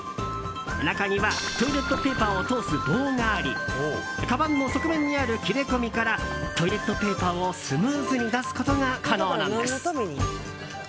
中にはトイレットペーパーを通す棒がありかばんの側面にある切れ込みからトイレットペーパーをスムーズに出すことが可能なんです。